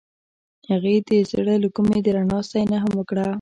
هغې د زړه له کومې د رڼا ستاینه هم وکړه.